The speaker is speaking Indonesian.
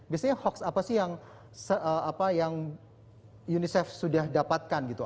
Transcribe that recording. biasanya hoaks apa sih yang apa yang unicef sudah dapatkan gitu